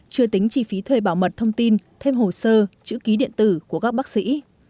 chưa tính chi phí thuê bảo mật thông tin thêm hồ sơ chữ ký điện tử của các bác sĩ